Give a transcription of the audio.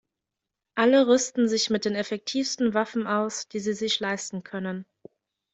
Alle rüsten sich mit den effektivsten Waffen aus, die sie sich leisten können.